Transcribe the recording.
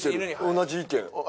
同じ意見？